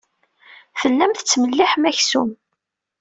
Tellam tettmelliḥem aksum.